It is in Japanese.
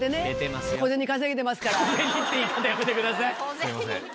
すいません。